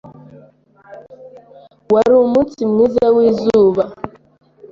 Wari umunsi mwiza wizuba.